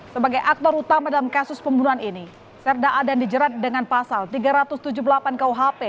sebagai aktor utama dalam kasus pembunuhan ini serda adan dijerat dengan pasal tiga ratus tujuh puluh delapan kuhp